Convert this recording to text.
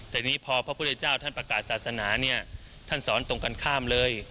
แต่นี่พอพระพุทธเจ้าท่านประกาศศาสนาเนี่ยท่านสอนตรงกันข้ามเลย